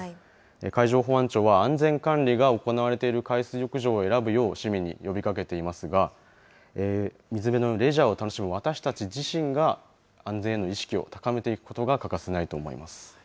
海上保安庁は、安全管理が行われている海水浴場を選ぶよう市民に呼びかけていますが、水辺のレジャーを楽しむ私たち自身が、安全への意識を高めていくことが欠かせないと思います。